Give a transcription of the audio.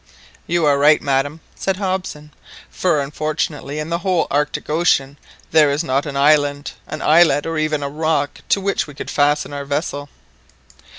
"You are right, madam," said Hobson; "for, unfortunately, in the whole Arctic Ocean there is not an island, an islet, or even a rock to which we could fasten our vessel!"